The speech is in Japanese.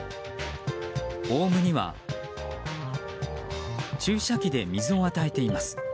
オウムには注射器で水を与えています。